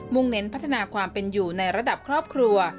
่งเน้นพัฒนาความเป็นอยู่ในระดับครอบครัว